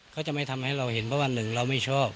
เขาจะไม่ทำให้เราเห็นเพราะว่าหนึ่งเราไม่ชอบ